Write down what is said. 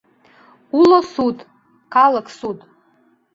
Уло суд Калык суд.